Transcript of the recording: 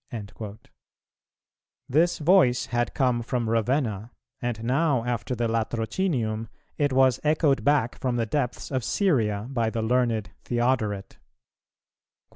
"[307:1] This voice had come from Ravenna, and now after the Latrocinium it was echoed back from the depths of Syria by the learned Theodoret.